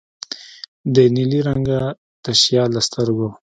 د نیلي رنګه تشیال له سترګو